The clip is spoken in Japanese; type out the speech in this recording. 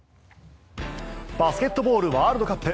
バスケットボールワールドカップ。